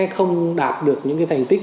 không đạt được những cái thành tích